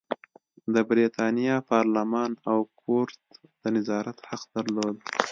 د برېتانیا پارلمان او کورتس د نظارت حق درلود.